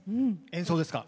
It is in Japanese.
演奏ですか。